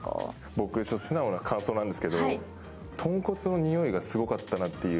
僕素直な感想なんですけど豚骨のにおいがすごかったなっていう。